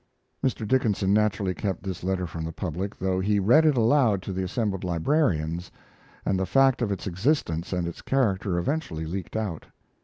Mr. Dickinson naturally kept this letter from the public, though he read it aloud to the assembled librarians, and the fact of its existence and its character eventually leaked out.